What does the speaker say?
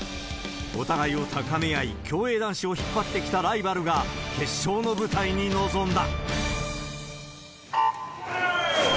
お互いを高め合い、競泳男子を引っ張ってきたライバルが、決勝の舞台に臨んだ。